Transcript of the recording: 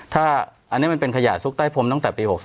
ถ้าอันนี้มันเป็นขยะซุกใต้พรมตั้งแต่ปี๖๓